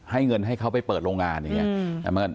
เงินให้เขาไปเปิดโรงงานอย่างนี้